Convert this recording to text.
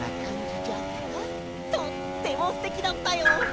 とってもすてきだったよ！